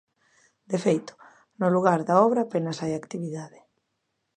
De feito, no lugar da obra apenas hai actividade.